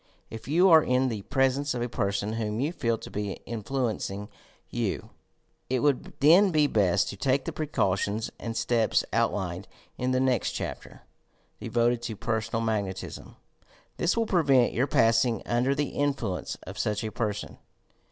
If you are in the pres ence of a person whom you feel to be influencinjr you, it would then be best to take the precautions and steps out lined in the nest chapter, devoted to "Personal Magnet ism." This will prevent your passing under the influ ence of such a person.